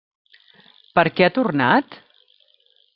Per què ha tornat?